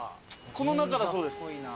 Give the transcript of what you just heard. この中だそうです。